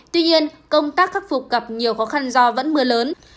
tuy nhiên công tác khắc phục gặp nhiều khó khăn do vẫn mưa lớn